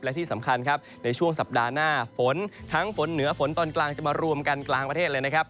และที่สำคัญครับในช่วงสัปดาห์หน้าฝนทั้งฝนเหนือฝนตอนกลางจะมารวมกันกลางประเทศเลยนะครับ